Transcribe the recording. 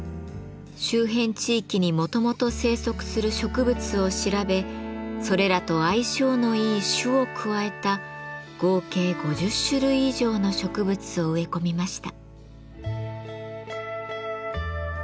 周辺地域にもともと生息する植物を調べそれらと相性のいい種を加えた合計５０種類以上の植物を植え込みました。